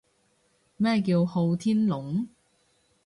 咩叫好天龍？